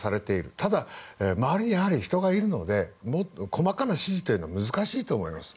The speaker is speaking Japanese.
ただ、周りに人がいるので細かな指示というのは難しいと思います。